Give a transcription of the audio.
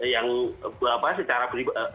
yang secara pengetahuan